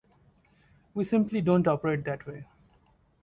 We simply don't operate that way.